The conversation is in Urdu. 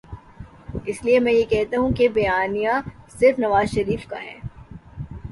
اس لیے میں یہ کہتا ہوں کہ بیانیہ صرف نوازشریف کا ہے۔